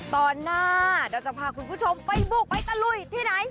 ตอนหน้าเราจะพาคุณผู้ชมไปบุกไปตะลุยที่ไหน